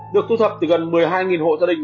được thu thập từ gần một mươi hai hộ gia đình